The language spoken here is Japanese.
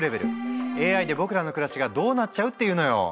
ＡＩで僕らの暮らしがどうなっちゃうっていうのよ！